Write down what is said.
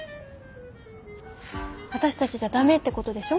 私たちじゃダメってことでしょ？